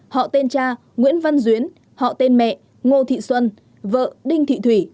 họ tên cha nguyễn văn duyến họ tên mẹ ngô thị xuân vợ đinh thị thủy